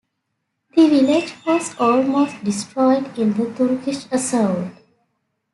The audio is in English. The village was almost destroyed in the Turkish assault.